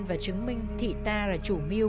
và chứng minh thị ta là chủ mưu